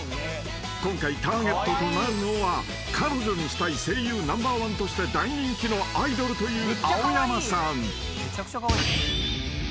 ［今回ターゲットとなるのは彼女にしたい声優ナンバーワンとして大人気のアイドルという］